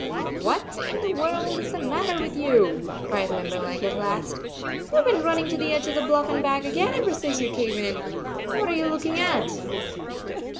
" What in the world is the matter with you?" cried Limberleg, at last. "You ve been running to the edge of the bluff and back again ever since you came in. What are you looking at?"